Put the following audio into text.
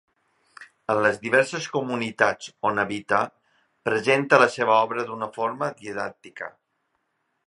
En les diverses comunitats on habita presenta la seva obra d'una forma didàctica.